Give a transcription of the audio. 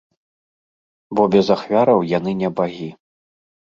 Бо без ахвяраў яны не багі.